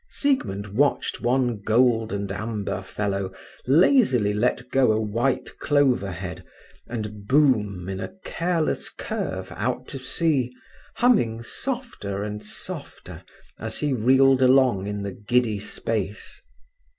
Siegmund watched one gold and amber fellow lazily let go a white clover head, and boom in a careless curve out to sea, humming softer and softer as he reeled along in the giddy space.